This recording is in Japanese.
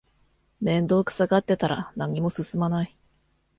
面倒くさがってたら何も進まない